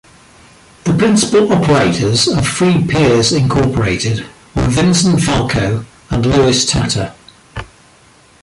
The principal operators of Free Peers, Incorporated were Vincent Falco and Louis Tatta.